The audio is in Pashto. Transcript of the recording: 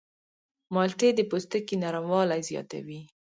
مالټې د پوستکي نرموالی زیاتوي.